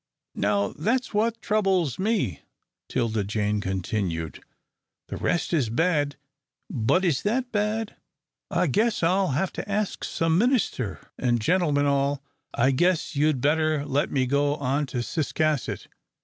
"Now that's what troubles me," 'Tilda Jane continued. "The rest is bad, but is that bad? I guess I'll have to ask some minister, an', gen'l'men all, I guess you'd better let me go on to Ciscasset.